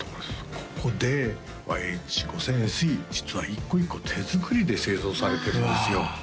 ここでＹＨ−５０００ＳＥ実は一個一個手作りで製造されてるんですよ